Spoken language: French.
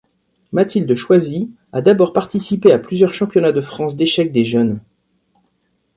Mathilde Choisy a d'abord participé à plusieurs championnats de France d'échecs des jeunes.